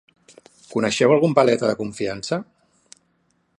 Coneixeu algun paleta de confiança?